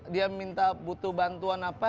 dia minta butuh bantuan apa